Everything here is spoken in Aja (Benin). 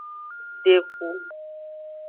Deku.